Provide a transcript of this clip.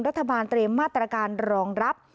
รัฐบาลเตรียมมาตรการรองรับ